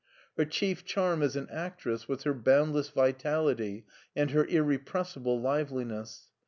Her chief charm as an actress was her boundless vitality and her irrepres sible liveliness.